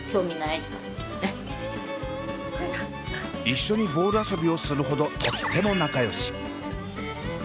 一緒にボール遊びをするほどとっても仲よし。